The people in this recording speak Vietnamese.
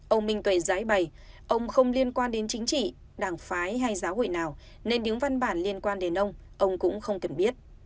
ông minh tuệ giá bày ông không liên quan đến chính trị đảng phái hay giáo hội nào nên đứng văn bản liên quan đến ông ông cũng không kiểm biết